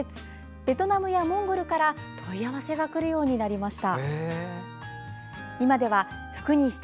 ベトナムやモンゴルから問い合わせがくるようになりました。